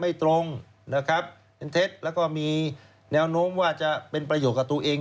ไม่ตรงนะครับเป็นเท็จแล้วก็มีแนวโน้มว่าจะเป็นประโยชน์กับตัวเอง